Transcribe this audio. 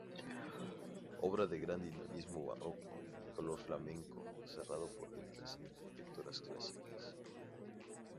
Obra de gran dinamismo barroco y color flamenco cerrada por ricas arquitecturas clásicas.